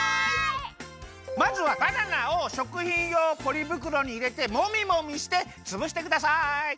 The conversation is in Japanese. まずはバナナをしょくひんようポリぶくろにいれてもみもみしてつぶしてください。